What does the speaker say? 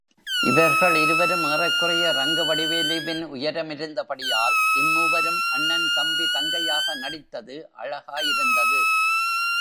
இவர்களிருவரும் ஏறக்குறைய ரங்கவடிவேலுவின் உயரமிருந்தபடியால், இம்மூவரும், அண்ணன், தம்பி, தங்கையாக நடித்தது அழகாயிருந்தது.